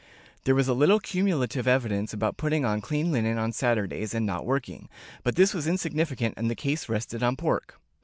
There was a little cumulative evidence about putting on clean linen on Saturdays and not working, but this was insignificant and the case rested on pork.